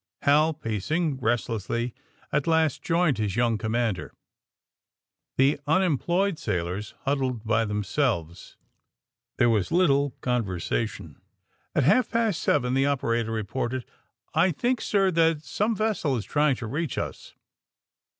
Hal, pacing rest lessly, at last joined his young commander. The unemployed sailors huddled by themselves. There was little conversation. At half past eleven the operator reported : *^I think, sir, that some vessel is trying to reach us."